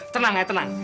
tenang ya tenang